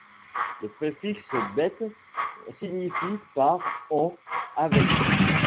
Le préfixe Beth signifie par, en, avec.